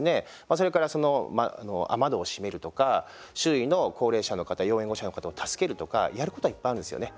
それから雨戸を閉めるとか周囲の高齢者、要援護者の方を助けるとか、やることはいっぱいあるんですよね。